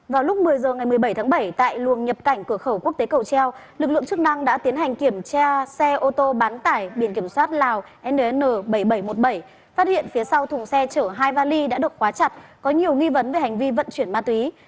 vào lúc một mươi h ngày một mươi bảy tháng bảy tại luồng nhập cảnh cửa khẩu quốc tế cầu treo lực lượng chức năng đã tiến hành kiểm tra xe ô tô bán tải biển kiểm soát lào nn bảy nghìn bảy trăm một mươi bảy phát hiện phía sau thùng xe chở hai vali đã được khóa chặt có nhiều nghi vấn về hành vi vận chuyển ma túy